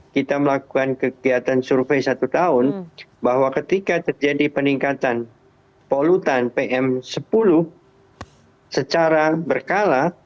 kita melakukan kegiatan survei satu tahun bahwa ketika terjadi peningkatan polutan pm sepuluh secara berkala